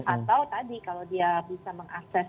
atau tadi kalau dia bisa mengakses